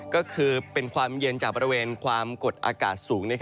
ก็คือเป็นความเย็นจากบริเวณความกดอากาศสูง